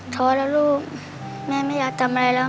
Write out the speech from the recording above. ท้อแล้วลูกแม่ไม่อยากทำอะไรแล้ว